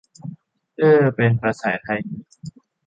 "เฮ้อ" เป็นภาษาไทยนี่